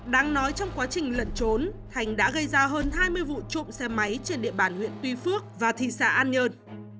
đáng nói trong quá trình lận trốn thành đã gây ra hơn hai mươi vụ trộm xe máy trên địa bàn huyện tuy phước và thị xã an nhơn